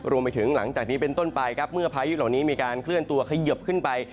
รวมไปถึงหลังจากนี้เป็นต้นไปครับเมื่อพายุเหล่านี้มีการเคลื่อนตัวเขยิบขึ้นไป